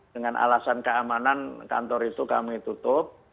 dengan alasan keamanan kantor itu kami tutup